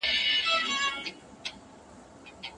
خاوند به د ميرمني له فاميل سره اړيکي نه غوڅوي.